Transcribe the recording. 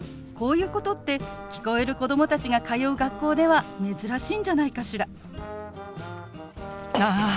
こういうことって聞こえる子供たちが通う学校では珍しいんじゃないかしら。